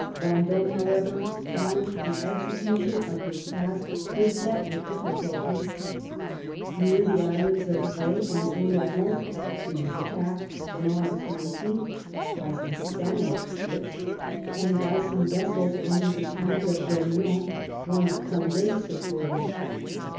Venddme, however, found the execution of his task beset with diflBculties. Near the islands of K^ and Ol^ron he was attacked on August 1 9 by some Spanish ships and hy some vessels under the Count of Daugnon, one of Condi's supporters.